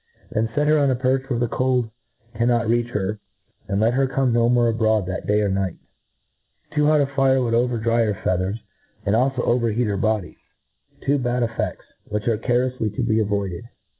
Then fet her on a perch where the cold cannot reach her, and let her come no more a broad that day or night. Too hot, a fire would over dry her feathers; and alfo overheat her body J i92 A TREATISE OF body I two bad cScStSy which are carefully {^ be avoided.